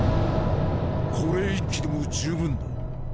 これ１機でも十分だ。